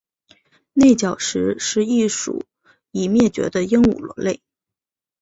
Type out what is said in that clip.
内角石是一属已灭绝的鹦鹉螺类。